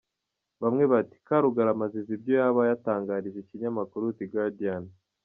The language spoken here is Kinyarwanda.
Bamwe bati “Karugarama azize ibyo yaba yatangarije ikinyamakuru “The Guardian”.